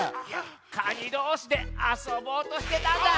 カニどうしであそぼうとしてたんだ！